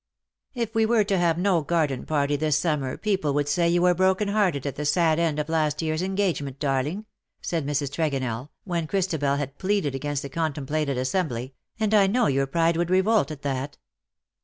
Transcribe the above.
" If we were to have no garden party this summer people would say you were broken hearted at the sad end of last yearns engagement, darling/^ said Mrs. Tregonell, when Christabel had pleaded against the contemplated assembly, '^ and I know your pride would revolt at that.''